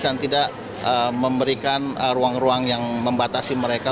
dan tidak memberikan ruang ruang yang membatasi mereka